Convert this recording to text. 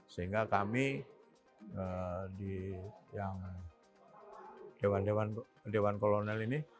sehingga kami dewan kolonel ini